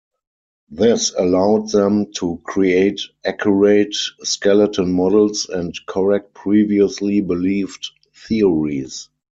This allowed them to create accurate skeleton models and correct previously believed theories.